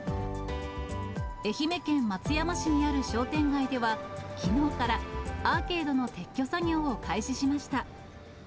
愛媛県松山市にある商店街では、きのうからアーケードの撤去作業を開始しました。